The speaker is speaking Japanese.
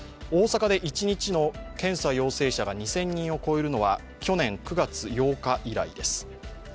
大阪で一日の検査陽性者が２０００人を超えるのは去年９月８日以来です。